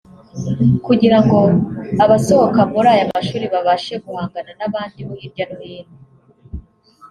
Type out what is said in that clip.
kugira ngo abasohoka muri aya mashuri babashe guhangana n’abandi bo hirya no hino